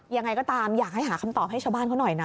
ยังไงก็ตามอยากให้หาคำตอบให้ชาวบ้านเขาหน่อยนะ